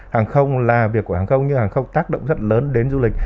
hàng không là việc của hàng không nhưng hàng không tác động rất lớn đến du lịch